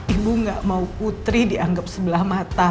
ibu gak mau putri dianggap sebelah mata